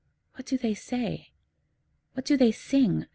What do they say? What do they sing?